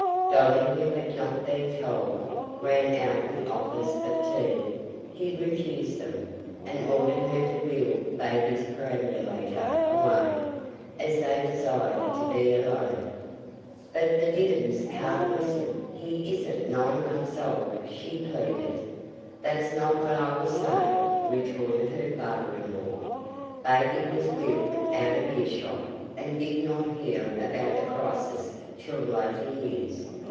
Dolly, who had not been "told," ran out with offers of tea. He refused them, and ordered her to wheel baby's perambulator away, as they desired to be alone. "But the diddums can't listen; he isn't nine months old," she pleaded. "That's not what I was saying," retorted her father in law. Baby was wheeled out of earshot, and did not hear about the crisis till later years.